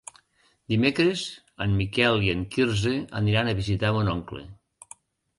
Dimecres en Miquel i en Quirze aniran a visitar mon oncle.